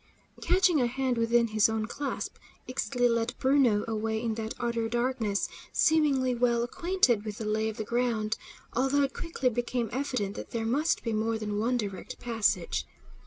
Catching a hand within his own clasp, Ixtli led Bruno away in that utter darkness, seemingly well acquainted with the lay of the ground, although it quickly became evident that there must be more than one direct passage.